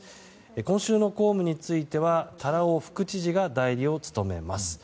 今週の公務については多羅尾副知事が代理を務めます。